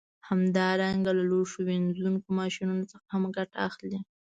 همدارنګه له لوښو مینځونکو ماشینونو څخه هم ګټه اخلي